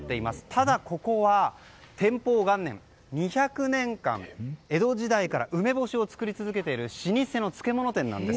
ただ、ここは天保元年２００年間江戸時代から梅干しを作り続けている老舗の漬物店なんです。